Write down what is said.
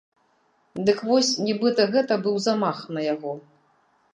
Дык вось, нібыта гэта быў замах на яго.